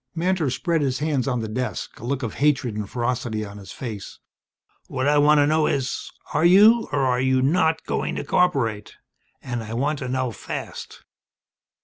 Mantor spread his hands on the desk, a look of hatred and ferocity on his face. "What I want to know is are you or are you not going to cooperate? And I want to know fast."